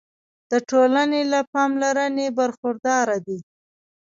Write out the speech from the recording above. د ټولنې له پاملرنې برخورداره دي.